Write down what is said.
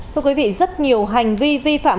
thưa quý vị rất nhiều hành vi vi phạm